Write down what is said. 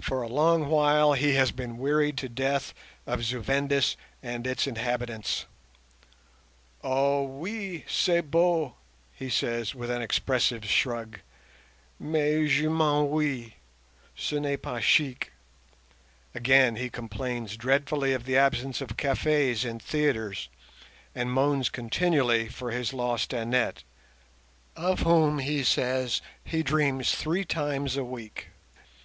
For a long while he has been wearied to death of Zu Vendis and its inhabitants. "Oh, oui, c'est beau," he says, with an expressive shrug; "mais je m'ennuie; ce n'est pas chic." Again, he complains dreadfully of the absence of cafes and theatres, and moans continually for his lost Annette, of whom he says he dreams three times a week.